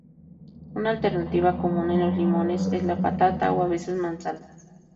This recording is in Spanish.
Una alternativa común a los limones es la patata o a veces manzanas.